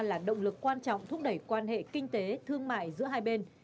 là động lực quan trọng thúc đẩy quan hệ kinh tế thương mại giữa hai bên